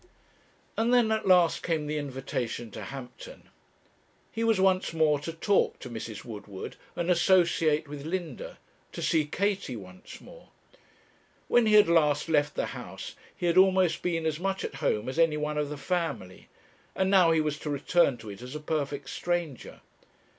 And then at last came the invitation to Hampton. He was once more to talk to Mrs. Woodward, and associate with Linda to see Katie once more. When he had last left the house he had almost been as much at home as any one of the family; and now he was to return to it as a perfect stranger.